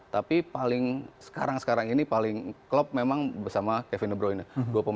tapi paling sekarang sekarang ini paling klop memang bersama kevin broin ya